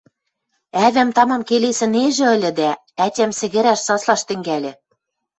Ӓвӓм тамам келесӹнежӹ ыльы, дӓ ӓтям сӹгӹрӓш, саслаш тӹнгӓльӹ.